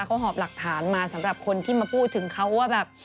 เขาหอบหลักฐานมาสำหรับคนที่มาพูดถึงเขาว่าแบบ